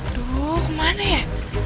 aduh kemana ya